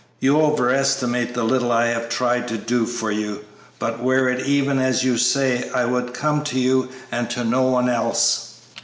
"You over estimate the little I have tried to do for you; but were it even as you say, I would come to you and to no one else.